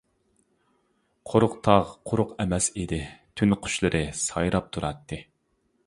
قۇرۇق تاغ قۇرۇق ئەمەس ئىدى، تۈن قۇشلىرى سايراپ تۇراتتى.